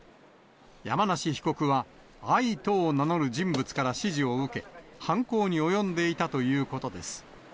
山梨被告は、あいとを名乗る人物から指示を受け、犯行に及んでいたということです。